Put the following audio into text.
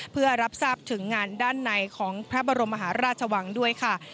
เพื่อรับทราบถึงงานด้านในของพระบรมมหาราชวังด้วยค่ะ